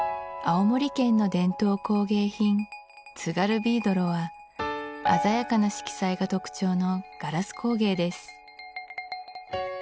青森県の伝統工芸品津軽びいどろは鮮やかな色彩が特徴のガラス工芸です